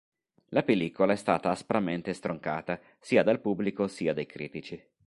La pellicola è stata aspramente stroncata, sia dal pubblico sia dai critici.